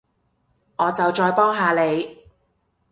我就再幫下你